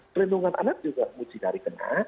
perlindungan anak juga mucidari kena